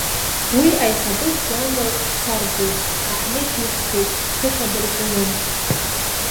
Уи аиҳабыс иамоу қәҭарбоуп, Аҳмеҭ ихьӡуп, ԥыхьа дырҵаҩын.